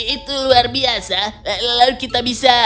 itu luar biasa lalu kita bisa